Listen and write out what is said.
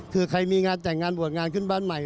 คือใครมีงานแต่งงานบวชงานขึ้นบ้านใหม่